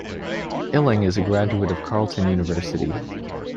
Illing is a graduate of Carleton University.